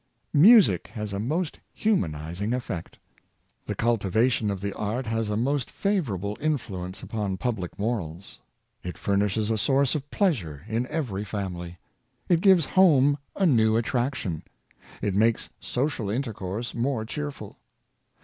Music has a most humanizing effect. The cultiva tion of the art has a most favorable influence upon pub lic morals. It furnishes a source of pleasure in every family. It gives home a new attraction. It makes social intercourse more cheerful.